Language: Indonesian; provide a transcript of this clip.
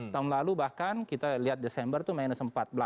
tahun lalu bahkan kita lihat desember itu minus empat belas